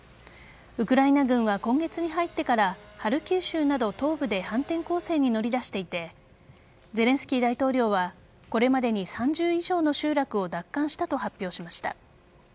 ウクライナ軍は今月に入ってからハルキウ州など東部で反転攻勢に乗り出していてゼレンスキー大統領はこれまでに３０以上の集落を奪還したと発表しました。